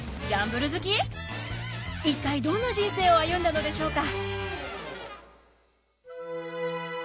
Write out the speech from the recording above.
一体どんな人生を歩んだのでしょうか？